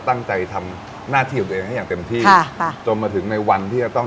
ตั้งใจทำหน้าที่ของตัวเองให้อย่างเต็มที่ค่ะจนมาถึงในวันที่จะต้อง